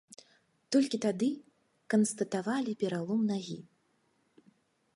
Толькі тады канстатавалі пералом нагі.